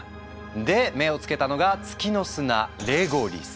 で目を付けたのが月の砂「レゴリス」。